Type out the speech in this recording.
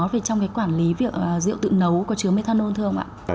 về trong cái quản lý việc rượu tự nấu có chứa methanol thường ạ